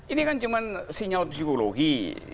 ini kan cuma sinyal psikologi